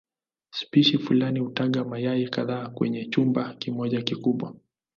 Spishi fulani hutaga mayai kadhaa kwenye chumba kimoja kikubwa.